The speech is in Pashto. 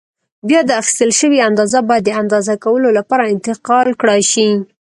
بیا دا اخیستل شوې اندازه باید د اندازه کولو لپاره انتقال کړای شي.